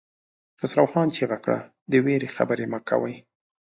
خسرو خان چيغه کړه! د وېرې خبرې مه کوئ!